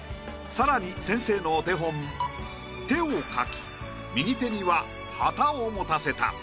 さらに先生のお手本手を描き右手には旗を持たせた。